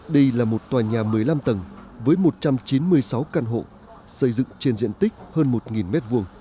đây là một tòa nhà một mươi năm tầng với một trăm chín mươi sáu căn hộ xây dựng trên diện tích hơn một m hai